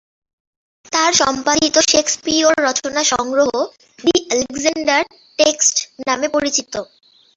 তার সম্পাদিত শেকসপিয়র রচনা সংগ্রহ "দি আলেকজান্ডার টেক্সট" নামে পরিচিত।